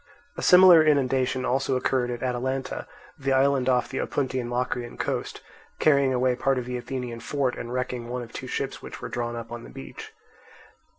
A similar inundation also occurred at Atalanta, the island off the Opuntian Locrian coast, carrying away part of the Athenian fort and wrecking one of two ships which were drawn up on the beach.